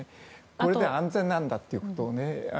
これで安全なんだということを。